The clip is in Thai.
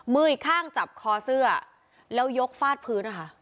อีกข้างจับคอเสื้อแล้วยกฟาดพื้นนะคะ